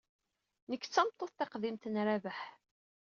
Nekk d tameṭṭut taqdimt n Rabaḥ.